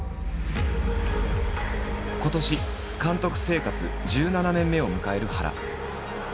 今年監督生活１７年目を迎える原。